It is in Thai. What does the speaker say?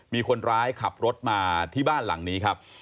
มีคนร้ายขับรถมาที่บ้านหลังนี้ครับ